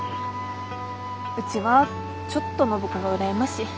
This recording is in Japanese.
うちはちょっと暢子が羨ましい。